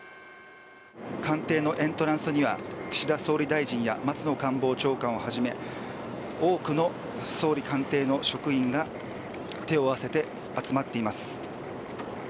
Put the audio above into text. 官邸のエントランスには岸田総理大臣や松野官房長官をはじめ多くの総理官邸の職員が手を合わせて集まっています。